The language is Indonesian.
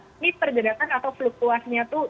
ini perjadatan atau fluktuasnya tuh